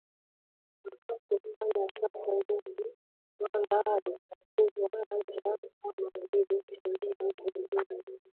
akapo fanya sasa hivi wala haitakuwa haja kama vile sehemu zingine